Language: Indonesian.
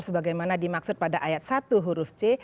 sebagaimana dimaksud pada ayat satu huruf c